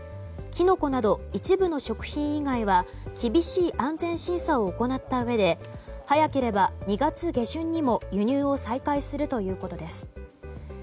キノコなど一部の食品以外は厳しい安全審査を行ったうえで早ければ２月下旬にも輸入を再開するということです。